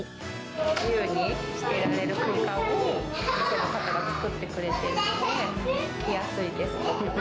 自由にいられる空間を、お店の方が作ってくれているので、来やすいです。